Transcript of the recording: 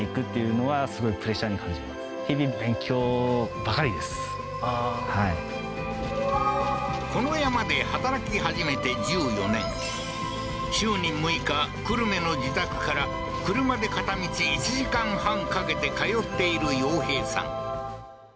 こっからまたこの山で働き始めて１４年週に６日久留米の自宅から車で片道１時間半掛けて通っている陽平さん